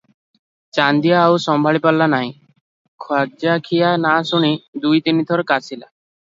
ଚାନ୍ଦିଆ ଆଉ ସମ୍ଭାଳିପାରିଲା ନାହିଁ, ଖଜାଖିଆ ନାଁ ଶୁଣି ଦୁଇ ତିନିଥର କାଶିଲା ।